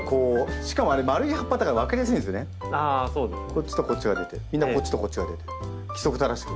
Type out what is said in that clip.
こっちとこっちが出てみんなこっちとこっちが出て規則正しく。